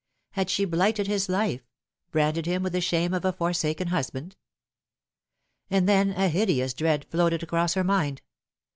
Had she blighted his life, branded him with the shame of a for saken husband ? And then a hideous dread floated across her mind.